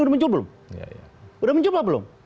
sudah muncul belum sudah muncul apa belum